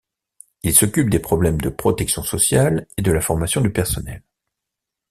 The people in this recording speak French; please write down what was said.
Il s'occupe des problèmes de protection sociale et de la formation du personnel.